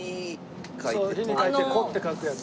書いて「戸」って書くやつ。